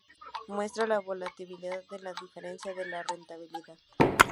Muestra la volatilidad de la diferencia de rentabilidad.